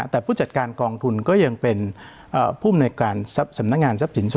แต่ผู้จัดการกองทุนก็ยังเป็นผู้มนวยการสำนักงานทรัพย์สิน